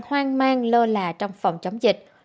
hoang mang lơ là trong phòng chống dịch